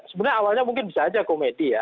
sebenarnya awalnya mungkin bisa aja komedi ya